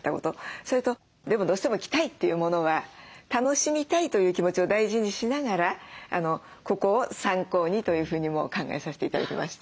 それとでもどうしても着たいというものは楽しみたいという気持ちを大事にしながらここを参考にというふうにも考えさせて頂きました。